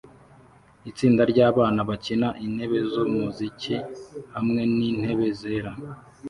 Itsinda ryabana bakina intebe zumuziki hamwe nintebe zera